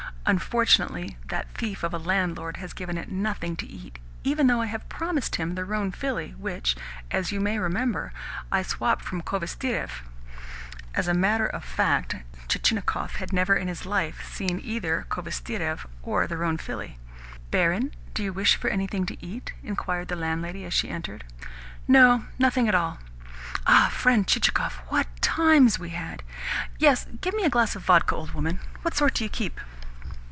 Unfortunately that thief of a landlord has given it nothing to eat, even though I have promised him the roan filly which, as you may remember, I swopped from Khvostirev." As a matter of act, Chichikov had never in his life seen either Khvostirev or the roan filly. "Barin, do you wish for anything to eat?" inquired the landlady as she entered. "No, nothing at all. Ah, friend Chichikov, what times we had! Yes, give me a glass of vodka, old woman. What sort do you keep?"